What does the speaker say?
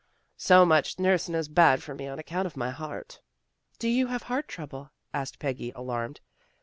So much nursin' is bad for me on account of my heart." " Do you have heart trouble? " asked Peggy, alarmed.